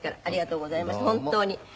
ありがとうございました本当に。